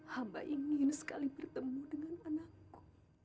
haba ingin sekali bertemu dengan anakku